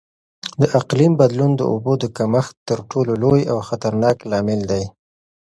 د اقلیم بدلون د اوبو د کمښت تر ټولو لوی او خطرناک لامل دی.